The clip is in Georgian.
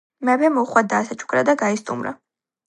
მეფემ უხვად დაასაჩუქრა და გაისტუმრა.